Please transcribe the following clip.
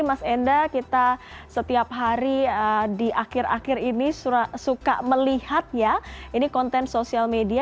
mas enda kita setiap hari di akhir akhir ini suka melihat ya ini konten sosial media